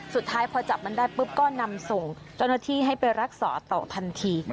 สุดท้ายพอจับมันได้ปุ๊บก็นำส่งเจ้าหน้าที่ให้ไปรักษาต่อทันที